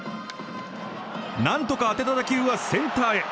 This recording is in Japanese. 何とか当てた打球はセンターへ。